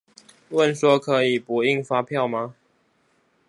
問說可以不印發票嗎？